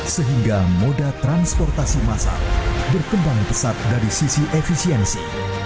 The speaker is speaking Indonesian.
sehingga moda transportasi masal berkembang pesat dari sisi efisiensi